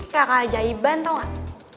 kayak kajaiban tau gak